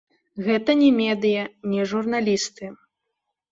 Гэта не медыя, не журналісты.